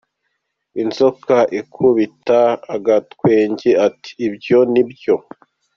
Inzoka ikubita agatwenge! Iti “Ibyo na byo!”.